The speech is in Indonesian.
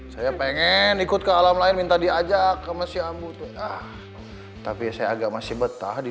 saya pengen ikut ke alam lain minta diajak ke masih ambu tuh tapi saya agak masih betah di